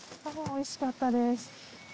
おいしかったです。